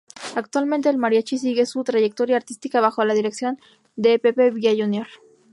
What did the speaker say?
Actualmente el Mariachi sigue su trayectoria artística bajo la dirección de Pepe Villa Jr.